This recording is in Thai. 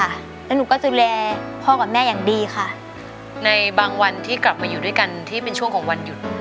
แล้วหนูก็ดูแลพ่อกับแม่อย่างดีค่ะในบางวันที่กลับมาอยู่ด้วยกันที่เป็นช่วงของวันหยุด